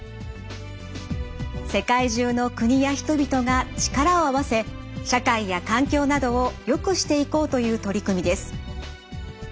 世界中の国や人々が力を合わせ社会や環境などをよくしていこうという取り組みです。